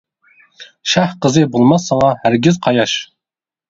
شاھ قىزى بولماس ساڭا ھەرگىز قاياش.